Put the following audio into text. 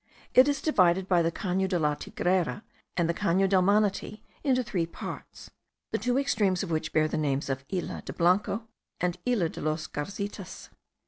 It is divided by the Cano de la Tigrera and the Cano del Manati into three parts, the two extremes of which bear the names of Isla de Blanco and Isla de los Garzitas.